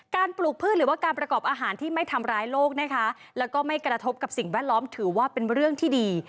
ปลูกพืชหรือว่าการประกอบอาหารที่ไม่ทำร้ายโลกนะคะแล้วก็ไม่กระทบกับสิ่งแวดล้อมถือว่าเป็นเรื่องที่ดี